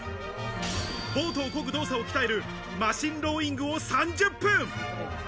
ボートをこぐ動作を鍛えるマシンローイングを３０分。